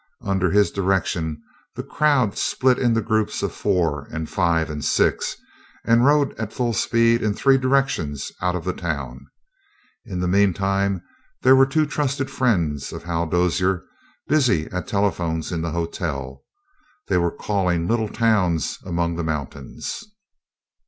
Under his direction the crowd split into groups of four and five and six and rode at full speed in three directions out of the town. In the meantime there were two trusted friends of Hal Dozier busy at telephones in the hotel. They were calling little towns among the mountains.